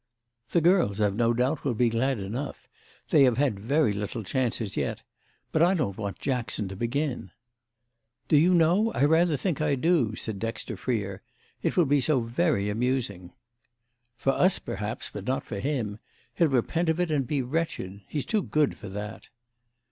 "The girls, I've no doubt, will be glad enough; they have had very little chance as yet. But I don't want Jackson to begin." "Do you know I rather think I do," said Dexter Freer. "It will be so very amusing." "For us perhaps, but not for him. He'll repent of it and be wretched. He's too good for that."